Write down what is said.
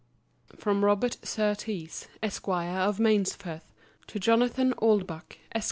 From Robert Surtees, Esq., of Mainsforth, to Jonathan Oldbuck, _Esq.